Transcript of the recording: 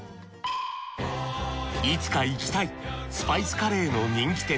いつか行きたいスパイスカレーの人気店。